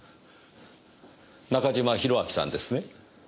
中島弘昭さんですね？